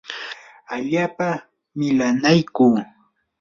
allaapa milanaykuu.